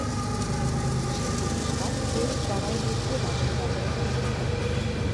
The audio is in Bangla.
সে পুরস্কার গরুর গলায় বেঁধে বাজারে বাজারে দেখানো হতো।